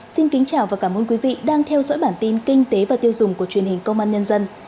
xin kính chào và cảm ơn quý vị đang theo dõi bản tin kinh tế và tiêu dùng của truyền hình công an nhân dân